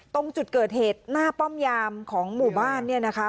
ตรงจุดเกิดเหตุหน้าป้อมยามของหมู่บ้านเนี่ยนะคะ